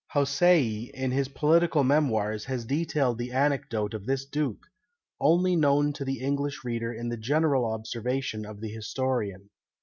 Houssaie, in his political memoirs, has detailed an anecdote of this duke, only known to the English reader in the general observation of the historian.